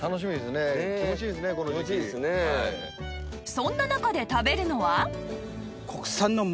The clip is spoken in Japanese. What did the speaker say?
そんな中で食べるのは